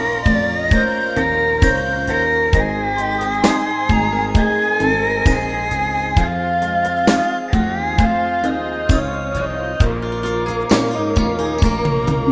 ขอบคุณครับ